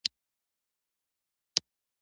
• لور د عزت، احترام او غیرت نوم دی.